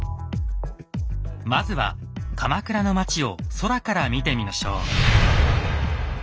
まずは鎌倉の町を空から見てみましょう。